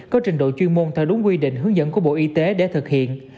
có trình độ chuyên môn theo đúng quy định hướng dẫn của bộ y tế để thực hiện